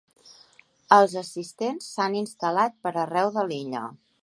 Els assistents s’han instal·lat per arreu de l’illa.